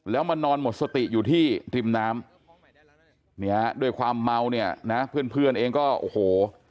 แล้วมานอนหมดสติอยู่ที่ริมน้ำเนี่ยด้วยความเมาเนี่ยนะเพื่อนเองก็โอ้โห